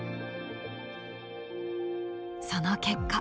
その結果。